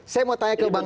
saya mau tanya ke bang